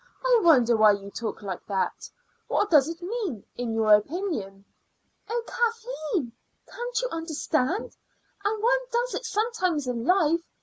"I wonder why you talk like that. What does it mean, in your opinion?" "Oh, Kathleen, can't you understand? And one does it sometimes in life.